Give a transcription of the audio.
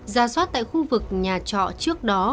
giả soát tại khu vực nhà trọ trước đó